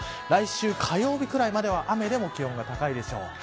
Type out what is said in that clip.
来週火曜日くらいまでは雨でも気温が高いでしょう。